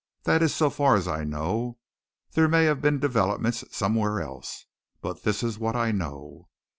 That is so far as I know. There may have been developments somewhere else. But this is what I know."